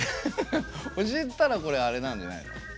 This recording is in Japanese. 教えたらこれあれなんじゃないの？